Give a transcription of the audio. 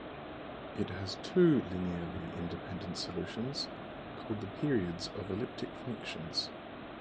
It has two linearly independent solutions, called the periods of elliptic functions.